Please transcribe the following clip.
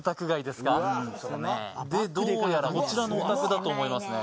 でどうやらこちらのお宅だと思いますね